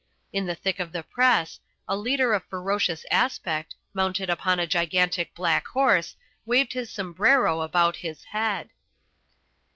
In the thick of the press, a leader of ferocious aspect, mounted upon a gigantic black horse, waved his sombrero about his head.